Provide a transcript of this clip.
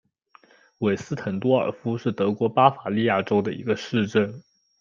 韦斯滕多尔夫是德国巴伐利亚州的一个市镇。